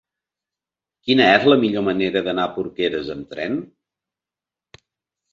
Quina és la millor manera d'anar a Porqueres amb tren?